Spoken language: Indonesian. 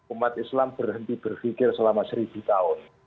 umat islam berhenti berfikir selama seribu tahun